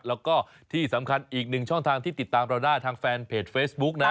แล้วก็ที่สำคัญอีกหนึ่งช่องทางที่ติดตามเราได้ทางแฟนเพจเฟซบุ๊กนะ